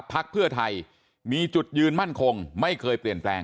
พักเพื่อไทยมีจุดยืนมั่นคงไม่เคยเปลี่ยนแปลง